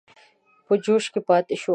په جوش کې پاته شو.